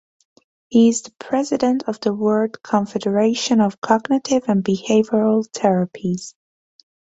He is President of the World Confederation of Cognitive and Behavioral Therapies.